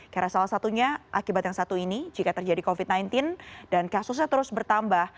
karena salah satunya akibat yang satu ini jika terjadi covid sembilan belas dan kasusnya terus bertambah